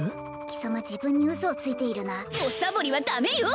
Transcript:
貴様自分にウソをついているなおサボりはダメよ！